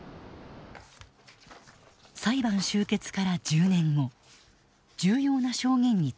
裁判終結から１０年後重要な証言にたどりつく。